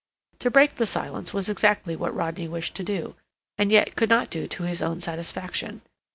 To break the silence was exactly what Rodney wished to do, and yet could not do to his own satisfaction.